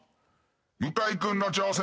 向井君の挑戦。